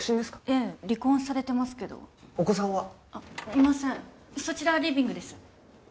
ええ離婚されてますけどお子さんは？いませんそちらはリビングです